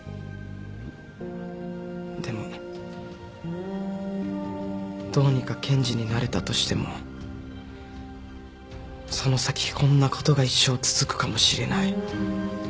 でもどうにか検事になれたとしてもその先こんなことが一生続くかもしれない。